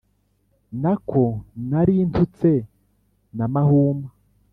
nako narintutse na mahuma,